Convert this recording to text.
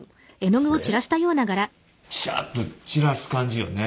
シャッと散らす感じよね。